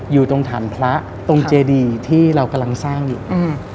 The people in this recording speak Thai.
อยู่ตรงฐานพระตรงเจดีที่เรากำลังสร้างอยู่อืม